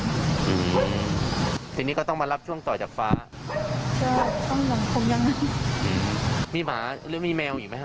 ทีนี้ก็ต้องมารับช่วงต่อจากฟ้ายังคงยังมีหมาหรือมีแมวอีกไหมฮ